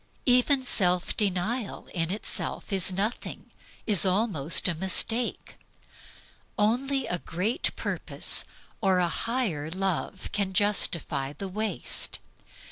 Even self denial in itself is nothing, is almost a mistake. Only a great purpose or a mightier love can justify the waste.